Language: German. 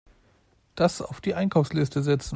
Das auf die Einkaufsliste setzen.